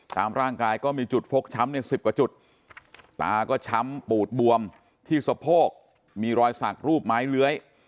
ตามร่างกายก็มีจุดฟกช้ำใน๑๐กว่าจุดตาก็ช้ำปูดบวมที่สะโพกมีรอยสักรูปไม้เลื้อย